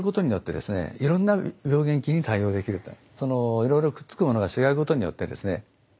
いろいろくっつくものが違うことによってですね